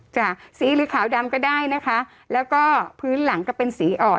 สีหรือขาวดำก็ได้นะคะแล้วก็พื้นหลังก็เป็นสีอ่อน